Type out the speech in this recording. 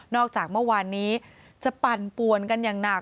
จากเมื่อวานนี้จะปั่นปวนกันอย่างหนัก